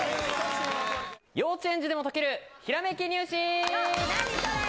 幼稚園児でも解けるひらめき何それ？